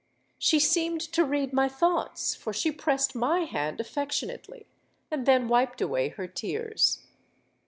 She seemed to read my thoughts; for she pressed my hand affectionately, and then wiped away her tears.